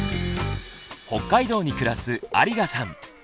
北海道に暮らす有我さん。